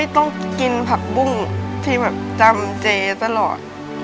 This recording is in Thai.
ต้องกินผักบุ้งที่แบบจำเจตลอด